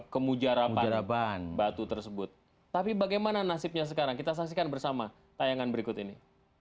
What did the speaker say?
kemujara pada batu tersebut tapi bagaimana nasibnya sekarang kita saksikan bersama tayangan berikut ini